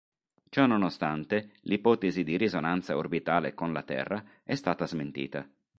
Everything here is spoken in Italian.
Ciononostante l'ipotesi di risonanza orbitale con la Terra è stata smentita.